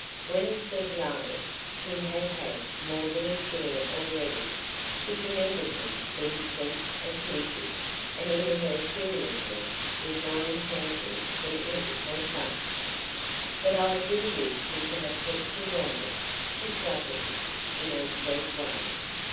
When he said "No" he had had more than his share already she commended him for his sense of duty, and in her seriousness was more enchanting than in her fun. "But I do wish we could have kept you longer," she flattered him, in her sweet way.